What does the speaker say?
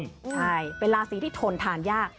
ใช่เป็นราศีที่ทนทานยาก